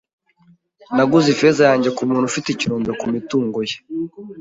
Naguze ifeza yanjye kumuntu ufite ikirombe kumitungo ye.